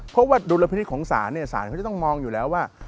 เพราะว่าดุลพินิษฐ์ของศาลเนี่ยศาลเขาจะต้องมองอยู่แล้วว่า